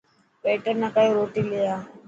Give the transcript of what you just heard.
ويٽر ناڪيو روٽي لي آءِ.